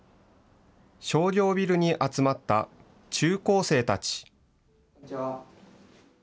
商業ビルに集まった中高生たち。